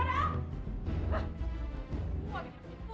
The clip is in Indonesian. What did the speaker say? bukan kamu bego